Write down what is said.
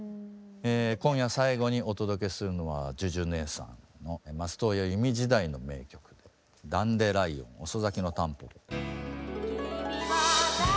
今夜最後にお届けするのはＪＵＪＵねえさんの松任谷由実時代の名曲で「ダンデライオン遅咲きのたんぽぽ」。